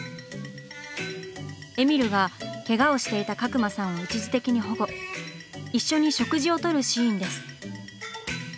えみるがケガをしていた角間さんを一時的に保護一緒に食事をとるシーンです。